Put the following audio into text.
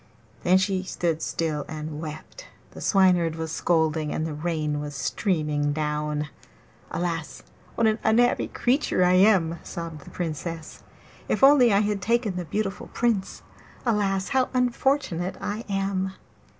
Then she stood still and wept; the Swineherd was scolding, and the rain was streaming down. 'Alas, what an unhappy creature I am!' sobbed the Princess. 'If only I had taken the beautiful Prince! Alas, how unfortunate I am!